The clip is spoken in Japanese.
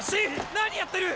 何やってる！